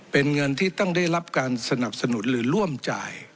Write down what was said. เป็นเงินที่ต้องได้รับการสนับสนุนหรือร่วมจ่าย